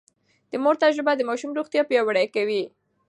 د مور تجربه د ماشوم روغتيا پياوړې کوي.